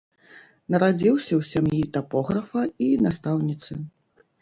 Нарадзіўся ў сям'і тапографа і настаўніцы.